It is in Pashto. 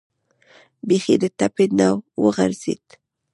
بیخي د ټپې نه و غورځېد.